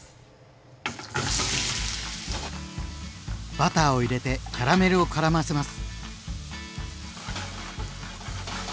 バターを入れてキャラメルをからませます。